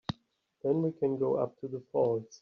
Then we can go up to the falls.